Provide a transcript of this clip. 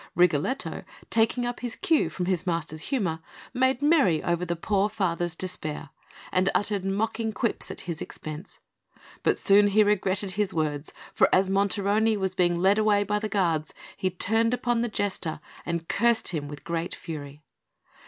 Rigoletto, taking up his cue from his master's humour, made merry over the poor father's despair, and uttered mocking quips at his expense; but soon he regretted his words, for as Monterone was being led away by the guards, he turned upon the Jester and cursed him with great fury.